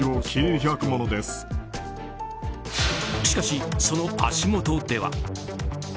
しかし、その足元では。